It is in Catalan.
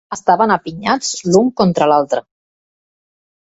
Estaven apinyats l'un contra l'altre.